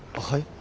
はい？